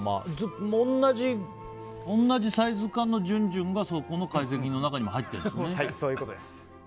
同じサイズ感のじゅんじゅんがそこの会席の中に入っているんですね。